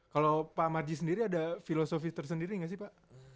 kalau pak marji sendiri ada filosofi tersendiri nggak sih pak